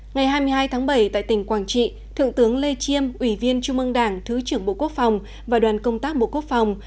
ngày hai mươi hai tháng bảy tại tỉnh quảng trị thượng tướng lê chiêm ủy viên trung mương đảng thứ trưởng bộ quốc phòng và đoàn công tác bộ quốc phòng